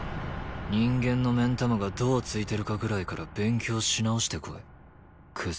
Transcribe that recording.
人間の目ん玉がどうついてるかぐらいから勉強し直してこいクズ。